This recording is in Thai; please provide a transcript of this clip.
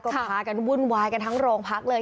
ก็พากันวุ่นวายกันทั้งโรงพักเลย